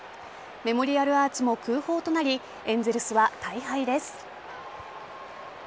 メモリアルアーチも空砲となりエンゼルスは大敗です。